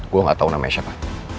gue gatau namanya siapa